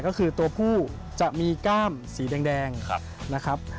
ก็คือตัวผู้จะมีก้ามสีแดงนะครับ